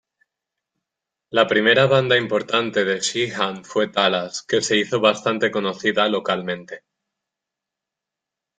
La primera banda importante de Sheehan fue Talas, que se hizo bastante conocida localmente.